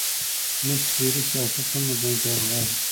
زموږ تیوري سیاست هم په ځان کې را نغاړي.